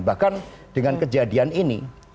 bahkan dengan kejadian ini